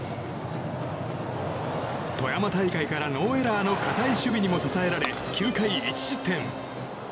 富山大会からノーエラーの堅い守備にも支えられ９回１失点。